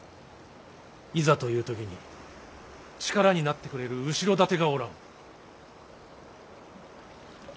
いざという時に力になってくれる後ろ盾がおらん。